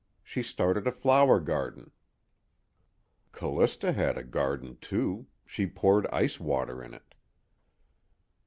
She started a flower garden." _Callista had a garden too; she poured ice water in it.